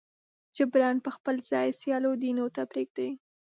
جبراً به خپل ځای سیالو دینونو ته پرېږدي.